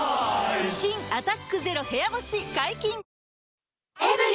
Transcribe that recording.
新「アタックＺＥＲＯ部屋干し」解禁‼